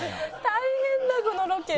大変だこのロケ。